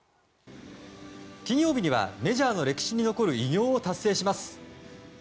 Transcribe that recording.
金曜日にはメジャーの歴史に残る偉業を達成します。